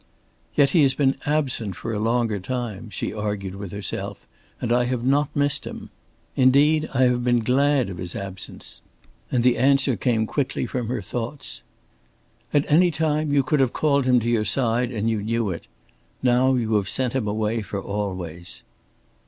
"Yet he has been absent for a longer time," she argued with herself, "and I have not missed him. Indeed, I have been glad of his absence." And the answer came quickly from her thoughts. "At any time you could have called him to your side, and you knew it. Now you have sent him away for always."